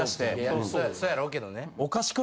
そやろうけどね。